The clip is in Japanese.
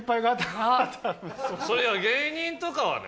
芸人とかはね